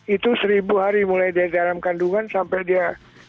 itu seribu hari mulai dari dalam kandungan sampai dia